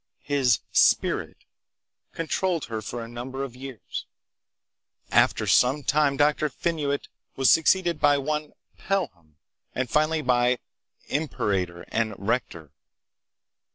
His "spirit" controlled her for a number of years. After some time Dr. Phinuit was succeeded by one "Pelham," and finally by "Imperator" and "Rector."